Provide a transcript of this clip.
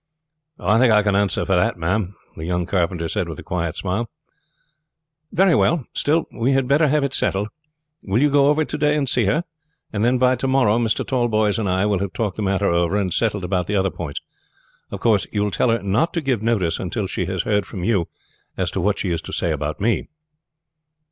"I think I can answer for that, ma'am," the young carpenter said with a quiet smile. "Very well. Still, we had better have it settled. Will you go over to day and see her? and then by to morrow Mr. Tallboys and I will have talked the matter over and settled about the other points. Of course you will tell her not to give notice until she has heard from you as to what she is to say about me."